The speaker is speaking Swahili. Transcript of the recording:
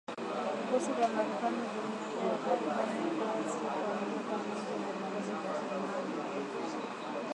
Vikosi vya Marekani vimekuwa vikifanya kazi kwa miaka mingi na vikosi vya Somalia